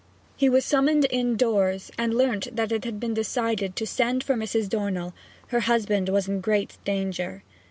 He was summoned indoors, and learnt that it had been decided to send for Mrs. Dornell: her husband was in great danger.